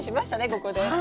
ここで。